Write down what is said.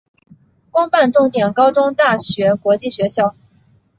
公办重点高中大学国际学校